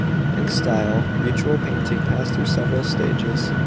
In style, mural painting passed through several stages.